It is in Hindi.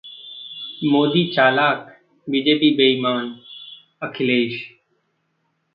मोदी चालाक, बीजेपी बेईमान: अखिलेश